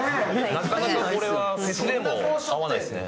なかなかフェスでも会わないですね。